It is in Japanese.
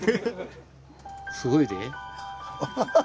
すごいで。